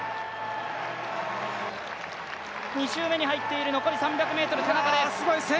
２周目に入って残り３００ｍ、田中です。